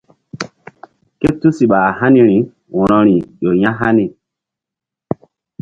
Ké tusiɓa a haniri wo̧roi ƴo ya̧hani.